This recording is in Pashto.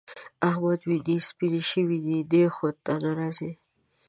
د احمد وینې سپيېنې شوې دي؛ دې خوا ته نه راځي.